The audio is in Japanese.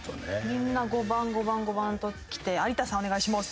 みんな５番５番５番ときて有田さんお願いします。